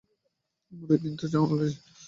আরে ঔই দিন তো চা ওয়ালও এসেছিলো।